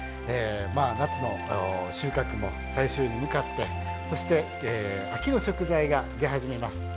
夏の収穫も最終に向かってそして、秋の食材が出始めます。